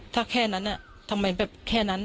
ถ้าแค่นั้นทำไมแบบแค่นั้น